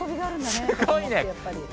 すごいね。